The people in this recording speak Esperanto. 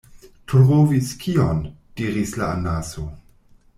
“Trovis kion?” diris la Anaso.